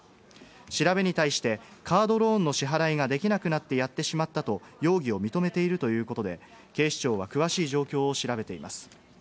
調べに対して、カードローンの支払いができなくなってやってしまったと容疑を認めているということで、警視庁は詳しい状況を調べています。